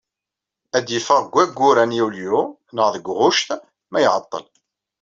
Ad d-yeffeɣ deg wayyur-a n yulyu, neɣ deg ɣuct, ma iɛeṭṭel.